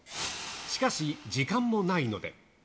しかし、時間もないので。